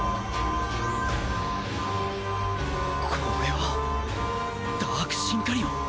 これはダークシンカリオン？